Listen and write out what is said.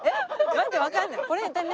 待ってわかんない。